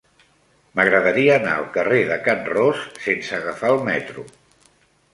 M'agradaria anar al carrer de Can Ros sense agafar el metro.